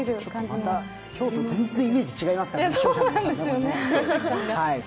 また今日と全然イメージ違いますからね。